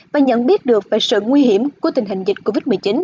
và nhận biết được về sự nguy hiểm của tình hình dịch covid một mươi chín